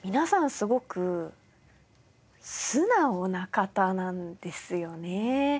すごく素直な方なんですよね。